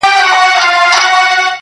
مړه راگوري مړه اكثر~